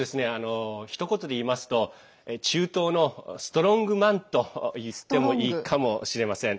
ひと言で言いますと中東のストロングマンといってもいいかもしれません。